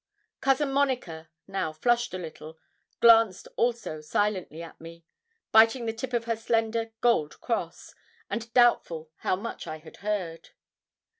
Cousin Monica, now flushed a little, glanced also silently at me, biting the tip of her slender gold cross, and doubtful how much I had heard.